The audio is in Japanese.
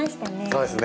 そうですね。